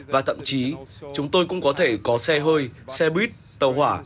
và thậm chí chúng tôi cũng có thể có xe hơi xe buýt tàu hỏa